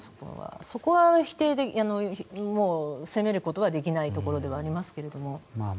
そこは責めることはできないところではありますけれども。